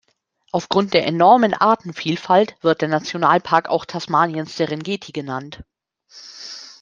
Aufgrund der enormen Artenvielfalt wird der Nationalpark auch Tasmaniens Serengeti genannt.